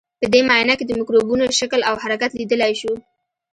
په دې معاینه کې د مکروبونو شکل او حرکت لیدلای شو.